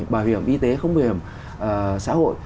bảo hiểm y tế không bảo hiểm xã hội